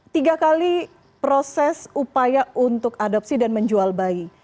tiga kali proses upaya untuk adopsi dan menjual bayi